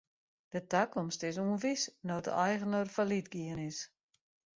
De takomst is ûnwis no't de eigener fallyt gien is.